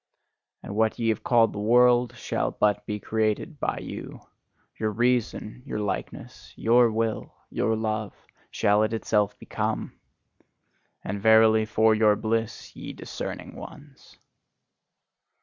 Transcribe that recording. And what ye have called the world shall but be created by you: your reason, your likeness, your will, your love, shall it itself become! And verily, for your bliss, ye discerning ones!